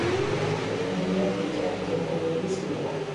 შექმნილია პიტერ გებრიელის მიერ.